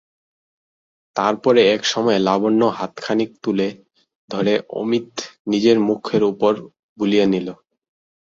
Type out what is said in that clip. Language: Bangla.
তার পরে এক সময়ে লাবণ্যর হাতখানি তুলে ধরে অমিত নিজের মুখের উপর বুলিয়ে নিলে।